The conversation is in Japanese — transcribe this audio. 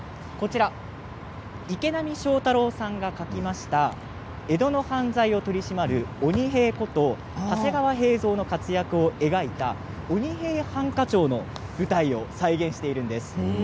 池波正太郎さんが書きました江戸の犯罪を取り締まる鬼平こと長谷川平蔵の活躍を描いた「鬼平犯科帳」の舞台を再現しているんです。